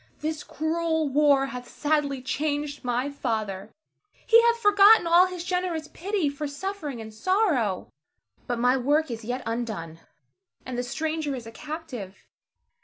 This cruel war hath sadly changed my father; he hath forgotten all his generous pity for suffering and sorrow. But my work is yet undone, and the stranger is a captive.